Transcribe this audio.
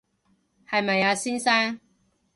係咪啊，先生